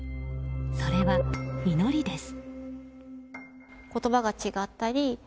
それは祈りです。